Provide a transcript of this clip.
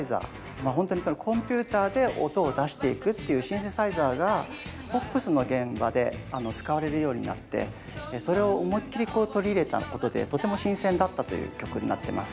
まあほんとにそのコンピューターで音を出していくっていうシンセサイザーがポップスの現場で使われるようになってそれを思いっきりこう取り入れたことでとても新鮮だったという曲になってます。